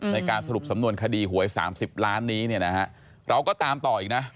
ในการสรุปสำนวนคดีหวย๓๐ล้านนี้เนี่ยนะฮะเราก็ตามต่ออีกนะ